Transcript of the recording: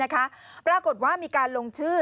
ปรากฏว่ามีการลงชื่อ